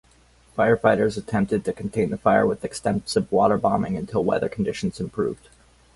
Firefighters attempted to contain the fire with extensive water bombing until weather conditions improved.